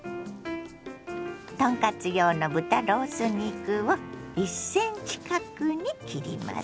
豚カツ用の豚ロース肉を１ｃｍ角に切ります。